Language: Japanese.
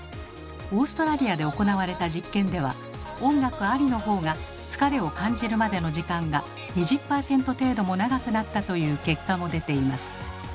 オーストラリアで行われた実験では音楽ありの方が疲れを感じるまでの時間が２０％程度も長くなったという結果も出ています。